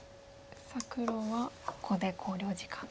さあ黒はここで考慮時間と。